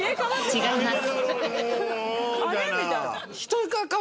違います。